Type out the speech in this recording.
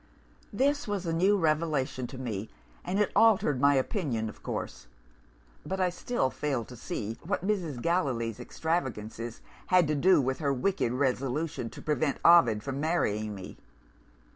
"This was a new revelation to me, and it altered my opinion of course. But I still failed to see what Mrs. Gallilee's extravagances had to do with her wicked resolution to prevent Ovid from marrying me.